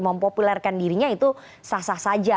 mempopulerkan dirinya itu sah sah saja